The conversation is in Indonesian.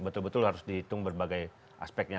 betul betul harus dihitung berbagai aspeknya